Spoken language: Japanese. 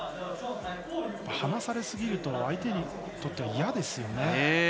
離されすぎると相手にとっては嫌ですよね。